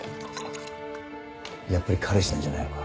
やっぱり彼氏なんじゃないのか？